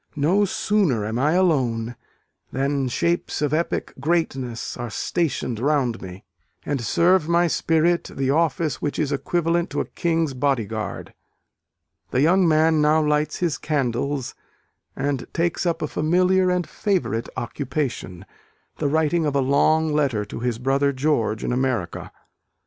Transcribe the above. No sooner am I alone, than shapes of epic greatness are stationed round me, and serve my spirit the office which is equivalent to a King's Bodyguard." The young man now lights his candles, and takes up a familiar and favourite occupation; the writing of a long letter to his brother George in America.